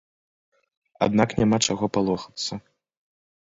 Аднак няма чаго палохацца.